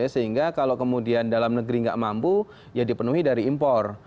sehingga kalau kemudian dalam negeri nggak mampu ya dipenuhi dari impor